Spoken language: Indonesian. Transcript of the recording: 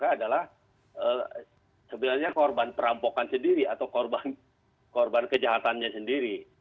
adalah sebenarnya korban perampokan sendiri atau korban kejahatannya sendiri